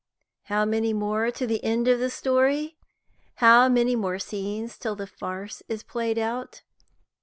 How many more to the end of the story? How many more scenes till the farce is played out?